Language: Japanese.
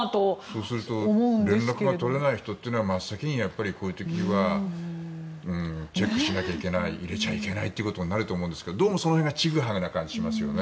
そうすると連絡が取れない人というのは真っ先にこういう時にはチェックしなきゃいけない入れちゃいけないとなると思うんですけどどうもその辺がちぐはぐな感じがしますよね。